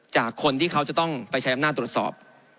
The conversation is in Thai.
จากคนที่เขาจะต้องไปใช้อำนาจตรวจสอบ